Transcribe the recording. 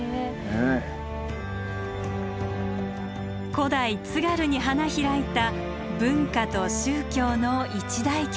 古代津軽に花開いた文化と宗教の一大拠点。